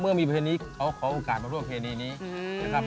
เมื่อมีเพชรนี้เขาขอโอกาสมาร่วมเพชรนี้นี้นะครับ